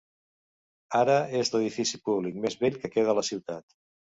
Ara és l'edifici públic més vell que queda a la ciutat.